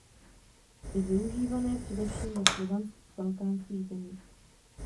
Je využívané především ve slovanských balkánských zemích.